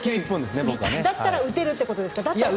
だったら打てるということですか？